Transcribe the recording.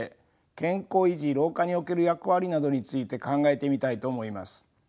健康維持老化における役割などについて考えてみたいと思います。